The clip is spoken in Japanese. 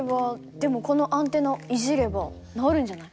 でもこのアンテナをいじれば直るんじゃない？